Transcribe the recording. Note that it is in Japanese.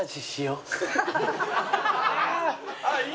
ああいい！